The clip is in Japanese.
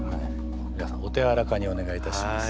みなさんお手やわらかにお願いいたします。